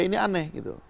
ini aneh gitu